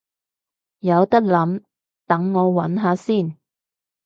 有得諗，等我搵下先